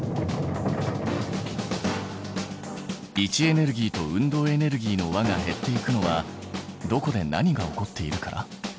位置エネルギーと運動エネルギーの和が減っていくのはどこで何が起こっているから？